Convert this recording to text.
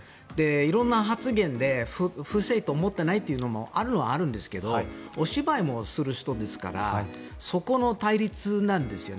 色んな発言で不正と思っていないというのもあるのはあるんですけどお芝居もする人ですからそこの対立なんですよね。